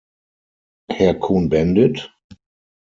Herr Cohn-Bendit?